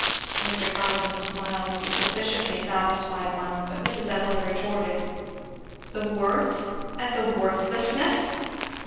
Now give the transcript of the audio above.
Mr. Carleton's smile was a sufficiently satisfied one; but Mrs. Evelyn retorted, "The worth and the _worthlessness!